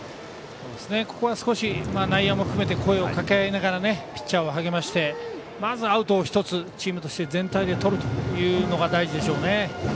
ここは少し内野も含めて声をかけ合いながらピッチャーを励ましてまずアウトを１つチーム全体でとるというのが大事でしょうね。